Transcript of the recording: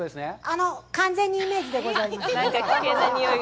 あの完全にイメージでございます。